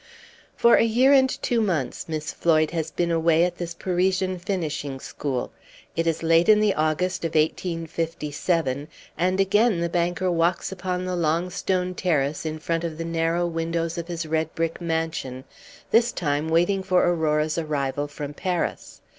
For a year and two months Miss Floyd has been away at this Parisian finishing school; it is late in the August of 1857, and again the banker walks upon the long stone terrace in front of the narrow windows of his red brick mansion, this time waiting for Aurora's arrival from Paris.